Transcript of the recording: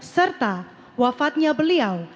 serta wafatnya beliau